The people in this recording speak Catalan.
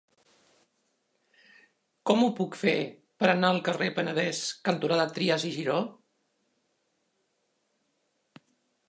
Com ho puc fer per anar al carrer Penedès cantonada Trias i Giró?